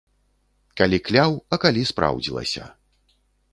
Калі кляў, а калі спраўдзілася.